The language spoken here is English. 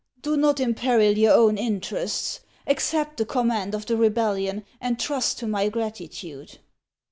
" Do not imperil your own interests ; accept the com mand of the rebellion, and trust to my gratitude."